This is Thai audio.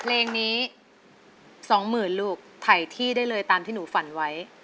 เพลงนี้๒๐๐๐ลูกถ่ายที่ได้เลยตามที่หนูฝันไว้